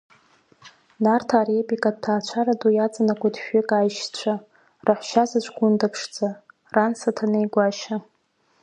Нарҭаа репикатә ҭаацәара ду иаҵанакуеит шәҩык аишьцәа, раҳәшьа-заҵә Гәында-ԥшӡа, ран Саҭанеи-Гәашьа.